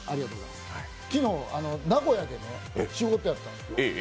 昨日、名古屋で仕事やったんですよ